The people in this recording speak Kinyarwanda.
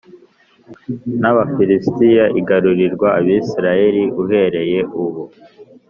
N abafilisitiya igarurirwa abisirayeli uhereye ubu